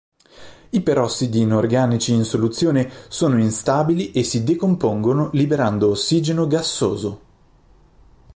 I perossidi inorganici in soluzione sono instabili e si decompongono liberando ossigeno gassoso.